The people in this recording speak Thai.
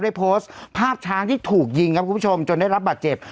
ได้โพสต์ภาพช้างที่ถูกยิงครับคุณผู้ชมจนได้รับบาดเจ็บ